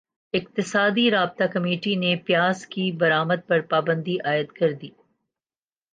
اقتصادی رابطہ کمیٹی نے پیاز کی برمد پر پابندی عائد کردی